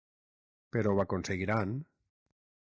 Però ho aconseguiran?